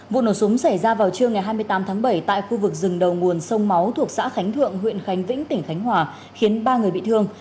vụ nổ súng xảy ra vào trưa ngày hai mươi tám tháng bảy tại khu vực rừng đầu nguồn sông máu thuộc xã khánh thượng huyện khánh vĩnh tỉnh khánh hòa khiến ba người bị thương